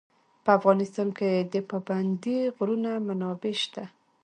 په افغانستان کې د پابندی غرونه منابع شته.